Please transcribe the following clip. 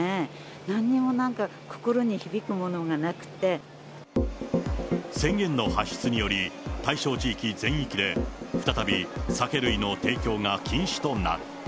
なんにもなんか、宣言の発出により、対象地域全域で、再び酒類の提供が禁止となる。